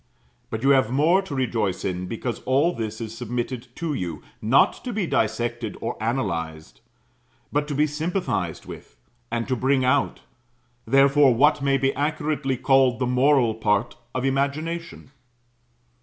But you have more to rejoice in, because all this is submitted to you, not to be dissected or analyzed, but to be sympathized with, and to bring out, therefore, what may be accurately called the moral part of imagination.